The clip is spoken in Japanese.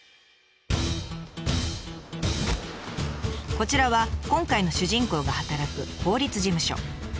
こちらは今回の主人公が働く法律事務所。